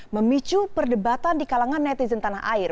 memicu perdebatan di kalangan netizen tanah air